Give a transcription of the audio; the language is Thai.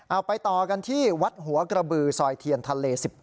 เอาไปต่อกันที่วัดหัวกระบือซอยเทียนทะเล๑๙